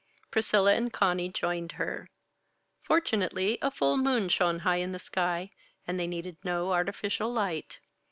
Priscilla and Conny joined her. Fortunately a full moon shone high in the sky, and they needed no artificial light.